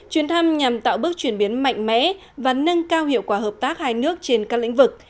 chuyến thăm nhằm tạo bước chuyển biến mạnh mẽ và nâng cao hiệu quả hợp tác hai nước trên các lĩnh vực